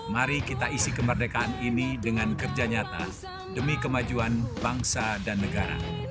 mari kita isi kemerdekaan ini dengan kerja nyata demi kemajuan bangsa dan negara